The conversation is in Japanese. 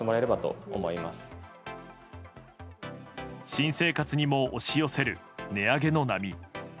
新生活にも押し寄せる値上げの波。